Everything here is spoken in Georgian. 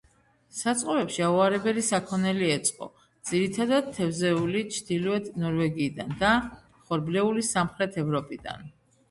საწყობებში აუარებელი საქონელი ეწყო, ძირითადად, თევზეული ჩრდილოეთ ნორვეგიიდან და ხორბლეული სამხრეთ ევროპიდან.